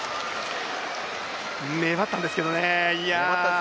粘ったんですけどね。